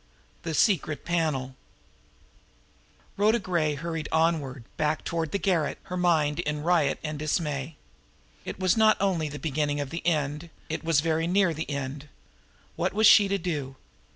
THE SECRET PANEL Rhoda Gray hurried onward, back toward the garret, her mind in riot and dismay. It was not only the beginning of the end; it was very near the end! What was she to do?